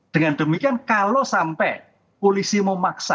dengan demikian kalau sampai polisi memaksa